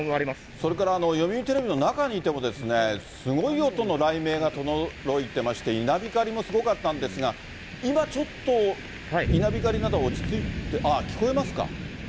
それから読売テレビの中にいても、すごい音の雷鳴がとどろいてまして、稲光もすごかったんですが、今ちょっと、稲光などは落ち着いて、ああ、聞こえますか？